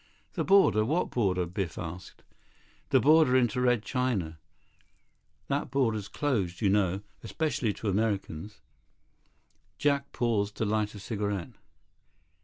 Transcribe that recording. "The border? What border?" Biff asked. "The border into Red China. That border's closed, you know, especially to Americans." Jack paused to light a cigarette.